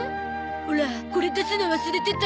オラこれ出すの忘れてた。